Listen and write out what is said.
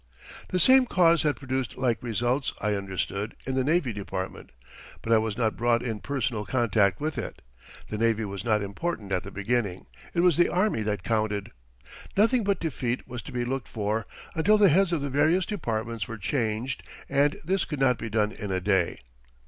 The same cause had produced like results, I understood, in the Navy Department, but I was not brought in personal contact with it. The navy was not important at the beginning; it was the army that counted. Nothing but defeat was to be looked for until the heads of the various departments were changed, and this could not be done in a day.